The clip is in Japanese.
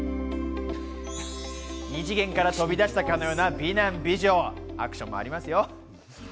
二次元から飛び出したかのような美男美女、アクションもありますよ。